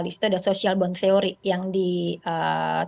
di situ ada social bond theory yang ditutupkan oleh travis hill